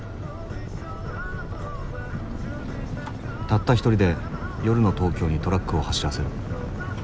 たった一人で夜の東京にトラックを走らせる。